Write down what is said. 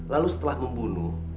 lalu setelah membunuh